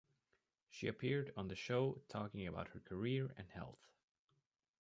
She appeared on the show, talking about her career and health.